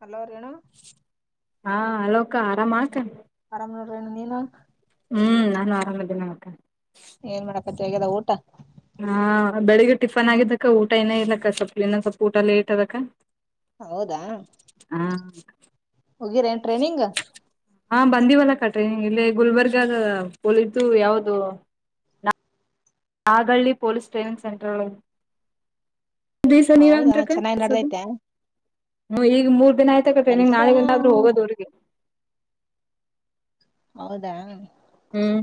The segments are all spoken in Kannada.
ಹಲೋ ರೇಣು ಹಾ ಅಲೋಕ ಆರಾಮ್ ಆತ ಆರಾಮನೂರೇನು ನೀನು ಹ್ಮ್ ನಾನು ಆರಾಮ್ದೇನಿ ಮತ್ತ ಏನ್ ಮಾಡಪ್ಪತ್ತ ಹಗ್ಯದ ಊಟ ಹಾ ಬೆಳಿಗ್ಗೆ ಟಿಫನ್ ಆಗಿದ್ದಕ್ಕ ಊಟ ಏನ ಇದಕ್ಕ ಸ್ವಲ್ಪ ಇನ್ನ ಸ್ವಲ್ಪ ಊಟ ಲೇಟ್ ಅದಕ ಹೌದಾ ಹಗಿರ ನ್ ಟ್ರೈನಿಂಗ್ ಹಾ ಬಂದೀಿವಲ್ಲ ಕಟ್ರಿ ಇಲ್ಲಿ ಗುಲ್ಬರ್ಗದ ಹಲಿದ್ದು ಯಾವ್ದ ಆಾಗಳ್ಳಿ ಪೊಲೀಸ್ ಟ್ರೈನಿಂಗ್ ಸೆಂಟರ್ ದಸ ಹೌದಾ ಚೆನ್ನಾಗಿ ನೀರಂಗ್ರಕ್ಕಸದು ನಡ್ದೈತಾ ಈಗ ಮೂರ್ ದಿನ ಆಯ್ತ ಕಟ್ರೆ ನಿಿಂಗ್ ಕೆಲ್ಸಾ ನಾಳಗ್ಂದಾದ್ರೂ ಹೋಗೋದು ಅವ್ರಿಗೆ ಹೌದಾ ಹ್ಮ್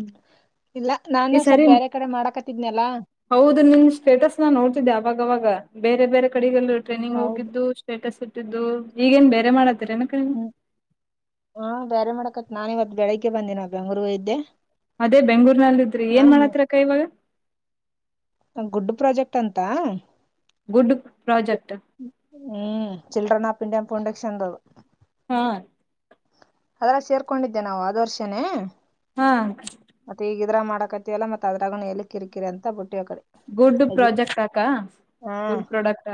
ಇಲ್ಲ ನಾನು ಈ ಸರಿ ಸ್ವಲ್ ಬೇರೆ ಕಡೆ ಮಾಡಕ ಹೌದು ನಿನ್ ಸ್ಟೇಟಸ್ ನ ನೋಡ್ತಿದ್ದೆ ಆಾವಾಗವಾಗ ಬೇರೆ ಬೇರೆ ಕಡೆಗಲ್ಲ ಟ್ರೈನಿಂಗ್ ಹೌದ್ ಹೋಗಿದ್ದು ಸ್ಟೇಟಸ್ ಇಟ್ಟಿದ್ದು ಈಗೇನ್ ಬೇರೆ ಮಾಡತ್ತೀರನ ಕ ಬೇರೆ ಮಾಡಕತ್ ನಾ ಇವತ್ ಬೆಳಗ್ಗೆ ಬಂದಿನ ಬ್ಯಾಂಗಲೋರ್ ಇದ್ದೆ ಅದೇ ಬೆಂಗ್ಳೂರ್ನಲ್ಲ ಇದ್ರಿ ಏನ್ ಮಾಡತ್ರಕ್ಕ ಇವಾಗ ಗುಡ್ಡು ಪ್ರಾಜೆಕ್ಟ್ ಅಂತ ಗುಡ್ ಪ್ರಾಜೆಕ್ಟ್ ಹ್ಮ್ ಚಿಡ್ರನ್ ಹಾಪಿ ಅ ಪೌಂಡೆಕ್ಷ ಎಂತಾವ ಹಾ ಅದಲ್ಲ ಸೇರ್ಕೊಂಡಿದ್ದೆ ನಾವು ಆದ ವರ್ಷನೇ ಹಾ ದ ಮಾಡಕವಲ್ಲ ಮತ್ತ ಅದ್ರು ಎಲ್ಲಿ ಕಿರಿಕಿ ಅಂತ ಬಿಟ್ಟ ಗಡ್ ಪ್ರೊಾಜೆಕ್ಾಕ್ಕಾ ಗಡ್ ಪೊಡಕ್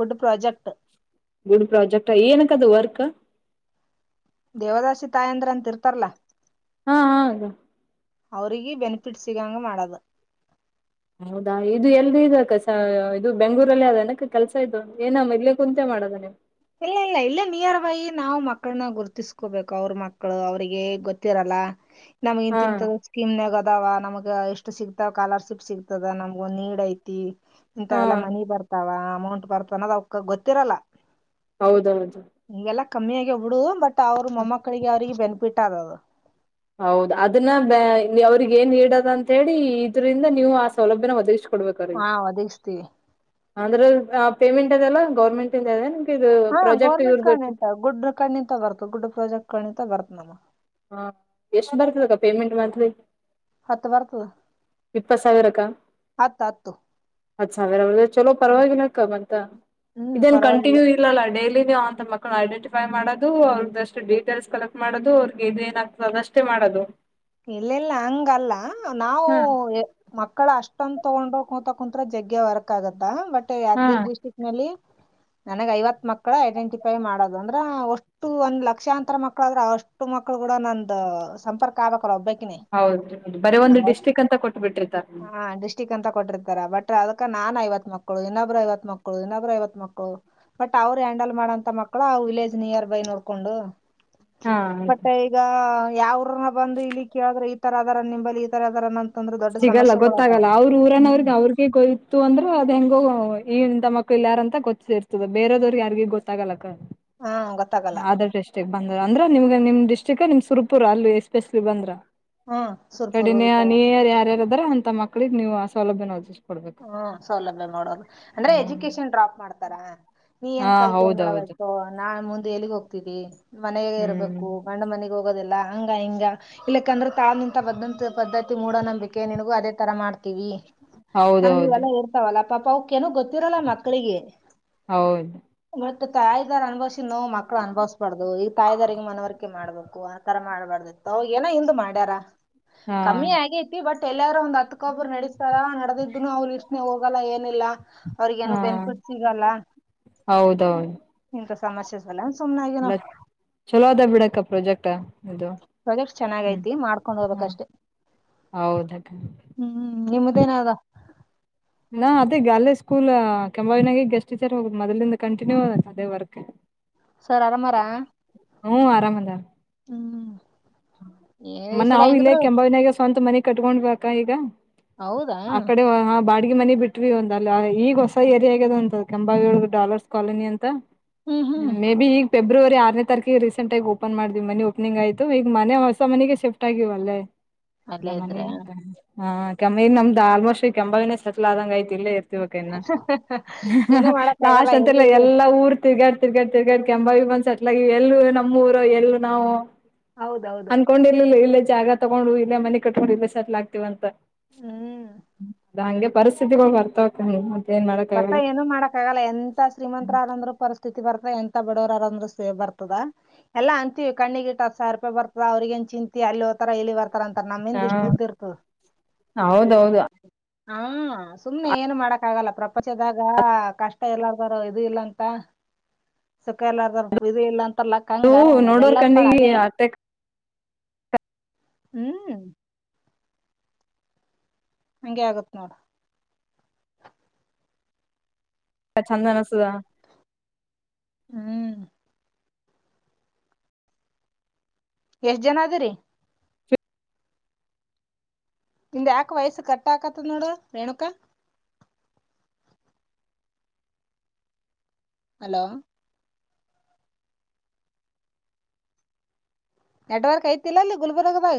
ಒುಡ್ ಪ್ರೊಾಜೆಕ್ಟ್ ಗುಡ್ ಪ್ರಾಜೆಕ್ಟ್ ಏನಕ್ಕದು ವರ್ಕ್ ದೇವದಾಸಿ ತಾಯಿ ಅಂದ್ರ ಅಂತ ಇರ್ತಾರಲ್ಲಾ ಹಾ ಹಾದು ಅವ್ರಗ ಬೆನಿಫಿಟ್ ಸಿಗಂಗ ಮಾಡದು ಹೌದಾ ಇದು ಎಲ್ರೂ ಇದ ಅಕ್ಕಸ ಇದು ಬೆಂಗ್ೂರಲ್ಲಿ ಅದ ಅನಕ ಕೆಲ್ಸ ಇದು ಏನ ಇಲ್ಲೇ ಕುಂತ ಮಾಡದನೆ ಇಲ್ಲ ಇಲ್ಲ ಇಲ್ಲೇ ನಿಯರ್ ಬೈ ನಾವು ಮಕ್ಕಳನ್ನ ಗುರ್ತಿಸಕೋಬೇಕು ಅವ್ರ ಮಕ್ಳು ಅವ್ರಿಗೆ ಗೊತ್ತಿರಲ್ಲ ನಮಗ ಹಾ ಇಂತಂತ ಸ್ಕೀಮ್ ನಗದಾವ ನಮಗ್ ಎಷ್ಟು ಸಿಗ್ತಾವ ಕಾಲರ್ಶಿಪ್ ಸಿಗ್ತದ ನಮ್ಗೊ ನೀಡ್ ಐತಿ ಹಾ ಇಂಥವೆಲ್ಲ ಮನಿ ಬರ್ತಾವ ಅಮೌಂಟ್ ಬರ್ತ ಅನ್ನೋದು ಅವ್ಕ ಗೊತ್ತಿರಲ್ಲ ಹೌದೌದು ಕಮ್ಮಿಿಯಾಗಿಬಿಡುದು ಬಟ್ ಅವ್ರ ಮೊಮ್ಮಕ್ಕಳಿಗೆ ಅವ್ರಿಗೆ ಬೆನಿಫಿಟ್ ಆಗದು ಹೌದ ಅದನ್ನ ಬ ಅವ್ರಗ ಏನ್ ಇದ ಅಂತ ಹೇಳಿ ಇದರಿಂದ ನೀವು ಆ ಸೌಲಭ್ಯನ ಒದಗ್ ಹಾ ಒದಗಿಸ್ತೀವಿ ಅಂದ್ರ ಪೇಮೆಂಟ್ ಅದೆಲ್ಲ ಗೌರ್ಮೆಂಟ್ ಇಂದ ಅದೆೇ ಹಾ ಗೌರ್ಮೆಂಟ್ ಕಣಿತ ಗುಡ್ಡ್ರ ಣ್ಣಿತ ಬರ್ತತ್ ಗುಡ್ಡ ಪ್ರಾಜೆಕ್ಟ್ ಕಣಿತ ಬರ್ತ ನಮ್ಮ ಹಾ ಎಷ್ಟು ಬರ್ತದಕ್ಕ ಪೇಮೆಂಟ್ ಮಾತ್ರಿ ಹತ್ತು ಬರ್ತದ ಸಾವಿರಕ್ಕ ಹತ್ತು ಹತ್ತು ಹತ್ ಸಾವಿರ ಅವ ಚಲೋ ಪರವಾಗಿಲ್ಲಕ್ಕ ಮಂತ ಹ್ಮ್ ಇದೇನ್ ಪರವಾಗಿಲ್ಲ. ಕಂಟಿನ್ಯೂ ಇಲ್ಲಲ್ಲ ಡೇಲಿ ನೀವು ಅಂತ ಮಕ್ಳ ಐಡೆಂಟಿಫೈ ಮಾಡೋದು ಅವ್ರದಷ್ಟ ಡಿಟೇಲ್ಸ್ ಕಲೆಕ್ಟ್ ಮಾಡೋದು ಅವ್ರಿಗೆ ಇದು ಏನಾಗ್ತದೆ ಅದಷ್ಟೇ ಮಾಡದು ಇಲ್ಲ ಇಲ್ಲ ಹಂಗಲ್ಲ ನಾವು ಹಾ ಮಕ್ಕಳ ಅಷ್ಟಂದು ತಗೊಂಡತ ಕುಂತ್ತ್ರ ಜಗ್ಗೆ ವರ್ಕ್ ಆಗತ್ತ ಬಟ್ ಹಾ ಯಾದಗಿರಿ ಡಿಸ್ಟ್ರಿಕ್ ನಲ್ಲಿ [unintelligible] ನನಗ್ ಐವತ್ ಮಕ್ಕಳು ಐಡೆಂಟಿಫೈ ಮಾಡೋದು ಅಂದ್ರ ಒಷ್ಟು ಒಂದ್ ಲಕ್ಷಾಂತರ ಮಕ್ಕಳ ಆದ್ರ ಅಷ್ಟು ಮಕ್ಕಳು ಕೂಡ ನಂದು ಸಂಪರ್ಕ ಆಗ್ಕ್ಲ್ಲ ಒಬ್ಬ ಹೌದ ಹೌದು ಬರೇ ಒಂದು್ ಡಿಸ್ಟ್ರಿಕ್ ಅಂತ ಕೊಟ್ಟಬಿಟ್ರಿ ತರ್ ಹಾ ಅಂತ ಕೊಟ್ಟಿರ್ತಾರ ಬಟ್ ಅದಕ ನಾನ್ ಐವತ್ ಮಕ್ಕಳು ಇನ್ನೊಬ್್ರರು ಐವತ್ ಮಕ್ಕಳು ಇನ್ನೊಬ್್ರರು ಐವತ್ ಮಕ್ಕಳು ಬಟ್ ಅವ್ರು ಹ್ಯಾಂಡಲ್ ಮಾಡೋಂತ ಮಕ್ಕಳು ವಿಲೇಜ್ ನಿಯರ್ ಬೈ ನೋಡ್ಕೊಂಡು ಹಾ ಬತ್ತೆ ಈಗ ಯಾವ್ರ ಬಂದು ಇಲ್ಲಿ ಕೇಳಿದ್ರೆ ಈ ತರದರ ನಿಂಬಲಿ ಈ ತರದರ ಸಿಗಲ್ಲ ಗೊತ್ತಾಗಲ್ಲ ಅವ್ರ ಊರನವ್ರಿಗೆ ಅವ್ರಿಗೆ ಗೊಯ್ತತ್ತು ಅಂದ್ರ ಅದ್ ಹೆಂಗ ಮಕ್ಕಳು ಯಾರಂತ ಗೊತ್ತಿರ್ತದೆ ಬೇರದ್ರಿಗೆ ಯಾರಿಗ ಗೊತ್ತಾಗಲ್ಲಕ್ಕ ಹಾ ಗೊತ್ತಾಗಲ್ಲ ಅ್ರಟ ಬ ಅಂದ್ರಮಗೆ ನಿಮ್ ಡಿಸ್ಟ್ರಿಕ್ ನಿಮ್ ಸುರ್ಪುರ ಅಲ್ಲಿ ಎಸ್ಪೆಷಲಿ ಬಂದ್ರ ಹಾ ಸುರ್ಪುರ್ ಹೋಗತಾಳ ದ್ರ ಅಂತ ಮಕ್ಕಳಿಗೆ ನೀವು ಅ ಸೌಲಭ್ಯ ನೋಷ್ಟು ಹ್ಮ ಸೌಲಭ್ಯ ಮಾಡೋದು ಅಂದ್ರೆ ಎಜುಕೇಶನ್ ಡ್ರಾಪ್ ಮಾಡ್ತಾರಾ ನೀ ಹಾ ಏನ್ ಕಲ್ತ ಏನ್ ಹೌದೌದು ಮಾಡಬೇಕೋ ನಾ ಮುಂದೆ ಎಲ್ಲಿಗ್ ಹೋಗ್ತಿದ್ದಿ ಮನೆ ಹ್ಮ್ ಇರಬೇಕು ಗಂಡ ಮನೆಗೆ ಹೋಗೋದಲ್ಲ ಹಂಗ ಹಿಂಗ ಇಲ್ಲಕ್ಕಂದ್ರೆ ತಾಳಂತ ಬದ್ದಂತ ಪದ್ಧತಿ ಮೂಡ ನಂಬಿಕೆ ನಿನಗೂ ಅದೇ ತರ ಮಾಡ್ತೀವಿ ಅಂದ ಹೌದೌದು ಇವೆಲ್ಲ ಇರ್ತಾವಲ್ಲ ಪಾಪ ಅವಕ್ಕ ನ ಗೊತ್ತಿರಲ್ಲ ಮಕ್ಳಿಗೆ ಹೌದು ತಾಯಿದರ್ ಅನುಭವ್ ನೋ ಮಕ್ಳು ಅನುಭವ್ಬಾರ್ದ ಈಗ ತಾಯಿಾರಿಗೆ ಮನವರಿಕೆ ಮಾಡ್ಬೇಕು ಆ ತರ ಮಾಡಬಾರ್ದು ಅವ ಏನೋ ಹಿಂದ ಮಾಡ್ಯಾರ ಹಾ ಕಮ್ಮಿ ಆಗೇತಿ ಬಟ್ ಎಲ್ಲಾರು ಒಂದ್ ಹತ್ಕ್ಕೊಬ್ಬರು ನಡಸ್ತಾರ ನಡದಿದ್ದನು ಅವ್ರು ಇಷ್ಟನೆೇ ಹೋಗ ಹೋಗಲ್ಲ ಏನಿಲ್ಲ ಅವ್ರಗ ಹಾ ಏನು ಬೆನಿಫಿಟ್ ಸಿಗಲ್ಲ ಸಮಸ್ಯೆಸ್ ಅಲ್ಲ ಇಲ್ಲ ಚಲೋ ಅದ ಬಿಡಕ್ಕ ಪ್ರೊಜೆಕ್ಟ್ ಪ್ರಾಜೆಕ್ಟ್ ಚೆನ್ನಾಗೈತಿ ಮಾಡ್ಕೊಂಡು ಹ ಹೋಗ್ಬೇಕಷ್ಟೆ ಹೌದಕ್ಕ ಹ್ಮ್ ನಿಮ್ದೇನದ ನಾ ಅದೇಗ ಅಲ್ಲೇ ಸ್ಕೂಲ್ ಕೆಗಸ್ಟ್ ಟೀಚರ್ ಹೋಗ್ ಮೊದಲಿಂದ ಕಂಟಿನ್ಯೂ ಅದೇ ವರ್ಕ್ ಸರ್ ಆರಾಮಾರಾ ಹ್ಮ್ ಆರಾಮದರ ಏ ಈ ಮನ್ನೆ ಸಲಾ ನಾವು ಇಲ್ಲೇ ಹೆಂಗಿದ್ರು ಕೆಂಬವಿನಾಗ ಸ್ವಂತ ಮನೆ ಕಟ್ಕೊಂಡಬೇಕ ಈಗ ಹೌದಾ ಆ ಕಡೆ ಈಗೆ ಮನೆ ಬಿಟ್ವಿ ಒಂದ ಅ ಈಗ ಹೊಸ ಏರಿಾ ಆಗ್ಯದ ಅಂತದ ಕಂಬಾವೋಳ ಡಾಲರ್ಸ್ ಕಾಲೋನಿ ಅಂತ ಹ್ಮ್ ಹ್ಮ್ ಮೇ ಬಿ ಈ ಫೆಬ್ರವರಿ ಆನೇ ತಾರೀಕಿಗೆ ರೀಸೆಂಟ್ ಆಗ ಓಪನ್ ಮಾಡಿದ್ವಿ ಮನಿ ಓಪಿ್ ಆಯ್ತು ಈಗ ಮನೆ ಹೊಸ ಮನೆಗೆ ಶಿಫ್ಟ್ ಆಗಿವಲ್ಲೇ ಅಲ್ಲೇ ಮ ಇದ್ರ ಕೆಮ್ಮ ಹ್ಮ್ ನಮ್ದ್ ಆಲ್ಮೋಸ್ಟ್ ಕೆನ ಸೆಟ್ಲ್ ಆದಂಗ ಐತಿ ಇಲ್ಲೇ ಇರ್ತ ಏನೂ ಮಾಡಕ್ ಆಗಲ್ಲ ಲಾಸ್ಟ್ ಅಂತಲ್ಲ ಎಲ್ಲಿದು ಎಲ್ಲಾ ಊರ್ ತಿರ್ಗಾಡ್ ತಿರ್ಗಾಡ್ ತಿರ್ಗಾಡ್ ಕೆಂಬ ಬಂದಸಟ್ಲ ಎಲ್ಲ ನಮ್ಮೂರು ಎಲ್ಲ ನಾವು ಹೌದೌದು ಅನ್ಕೊಂಡಿರ್ಲಿಲ್ಲ ಇಲ್ಲ ಜಾಗ ತಗೊಂಡು ಇಲ್ಲೇ ಮನೆ ಕಟ್ಕೊಂಡು ಇಲ್ಲ ಸತ್ಲ ಆಗ್ತವಂತ ಹ್ಮ್. ಅದ ಹಂಗೆ ಪರಿಸ್ಥಿತಿಗಳು ಬರ್ತಾವತ ಬರ್ತಾ ಏನು ಮಾಡಕ್ ಆಗಲ್ಲ ಎಂತ ಶ್ರೀಮಂತ ಅಂದ್ರರು ಪರಿಸ್ಥಿತಿ ಬರ್ತ ಎಂತ ಬಿಡವರ ಅಂದ್ರೆ ಬರ್ತದ ಎಲ್ಲಾ ಅಂತೀವಿ ಕಣ್ಣಿಟ್ಟ ಸಾವಿ ರೂಪಾಯಿ ಬರ್ತದ ಅವ್ರಿ ಏನ್ ಚಿಂತ ಅಲ್ಲಿ ಹೋತಾರ ಎಲ್ಲಿ ಬರ್ತಾರ ಅಂತಾರ ಹಾ ನಮ್ಮಿಂದಿ ಇಷ್ಟು ಉುದ್ದಿ ಇರ್ತ ಹೌದೌದು ಹಾ ಸುಮ್ನೆ ಏನು ಮಾಡಕ್ ಆಗಲ್ಲ ಪ್ರ ಪಚದಾಗ ಕಷ್ಟ ಎಲ್ಲಾರ್ದಾರ ಇದು ಇಲ್ಲ ಅಂತ ಸುಖ ಎಲ್ಲಾರ ಇದು ಇಲ್ಲ ಅಂತಲ್ಲ ಅದು ಕಂಗ ನೋಡೋರ್ ಎಲ್ಲಾರ ಪಳ ಕಣ್ಣಿಗೆ ಅದೇ ಅಟ್ಟೆ ಹ್ಮ್ ಹಂಗೆ ಆಗತ್ ನೋಡ ಕ ಛಂದ ನಸದ ಹ್ಮ್ ಎಷ್ಟ ಜನ ಅದರಿ ನಿಮ ಯಾಕ ವಯಸ್ಸು ಕಟ್ಟಾಕತದ ನೋಡು ರೇಣುಕಾ ಹಲೋ ನೆಟ್ವರ್ಕ್ ಐತಿಲ್ಲ ಅಲ್ಲಿ ಗುಲ್ಬುರ್ಗ ದಗ